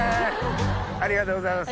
ありがとうございます。